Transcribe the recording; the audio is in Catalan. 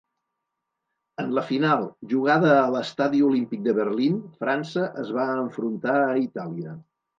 En la final, jugada a l'Estadi Olímpic de Berlín, França es va enfrontar a Itàlia.